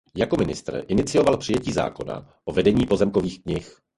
Jako ministr inicioval přijetí zákona o vedení pozemkových knih.